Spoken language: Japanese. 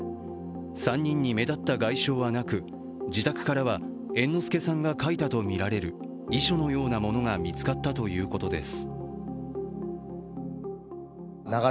３人に目立った外傷はなく自宅からは猿之助さんが書いたとみられる遺書のようなものが見つかったということです